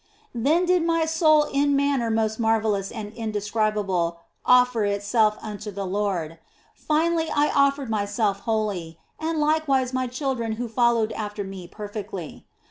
Then did my soul in a manner most marvellous and indescribable offer itself unto the Lord ; finally I offered myself wholly, and likewise my children who followed after me perfectly.